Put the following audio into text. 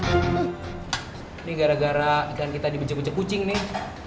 ini gara gara ikan kita dibecek becek kucing nih